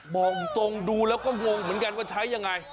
บอกตรงดูแล้วก็งงเหมือนกันว่าใช้ยังไง